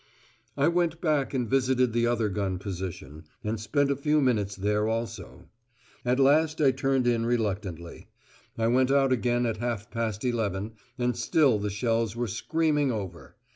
I went back and visited the other gun position, and spent a few minutes there also. At last I turned in reluctantly. I went out again at half past eleven, and still the shells were screaming over.